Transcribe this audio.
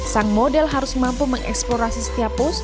sang model harus mampu mengeksplorasi setiap pos